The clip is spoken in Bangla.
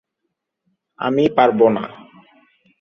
আমি পারব না।